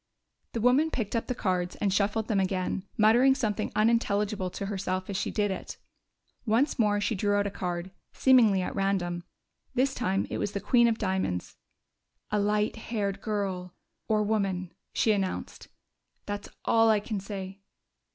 The woman picked up the cards and shuffled them again, muttering something unintelligible to herself as she did it. Once more she drew out a card, seemingly at random. This time it was the queen of diamonds. "A light haired girl or woman," she announced. "That's all I can say."